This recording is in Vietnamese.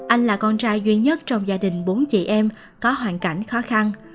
anh là con trai duy nhất trong gia đình bốn chị em có hoàn cảnh khó khăn